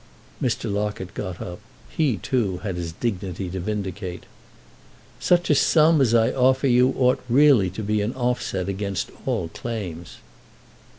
Mr. Locket got up—he too had his dignity to vindicate. "Such a sum as I offer you ought really to be an offset against all claims."